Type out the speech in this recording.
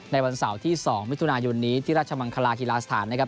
วันเสาร์ที่๒มิถุนายนนี้ที่ราชมังคลาฮิลาสถานนะครับ